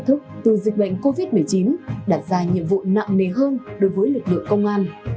thức từ dịch bệnh covid một mươi chín đặt ra nhiệm vụ nặng nề hơn đối với lực lượng công an